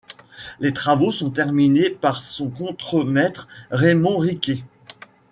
Les travaux sont terminés par son contremaître, Raymond Riqué.